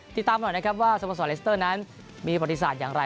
ติดตามหน่อยนะครับว่าสโมสรเลสเตอร์นั้นมีประวัติศาสตร์อย่างไร